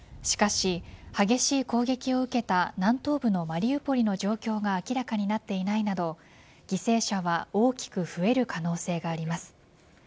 しかし、激しい攻撃を受けた南東部のマリウポリの状況が明らかになっていないなど犠牲者は大きく増える可能性があります。